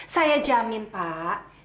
saya jamin pak